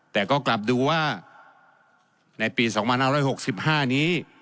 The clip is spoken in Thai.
แต่ก็กลับดูว่าในปี๒๕๖๕นี้